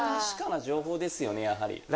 確かな情報ですよねやはり。